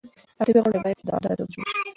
ادبي غونډې باید په دوامداره توګه جوړې شي.